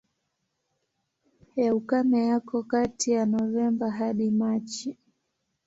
Ya ukame yako kati ya Novemba hadi Machi.